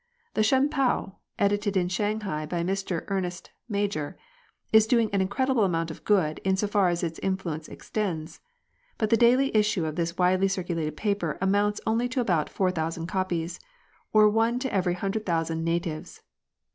The Shun pao, edited in Shanghai by Mr Ernest Major, is doing an incredible amount of good in so far as its influence extends ; but the daily issue of this widely circulated paper amounts only to about four thousand copies, or one to every hundred thousand natives